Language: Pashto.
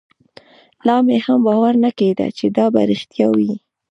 لا مې هم باور نه کېده چې دا به رښتيا وي.